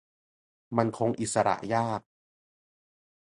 มันคงอิสระยาก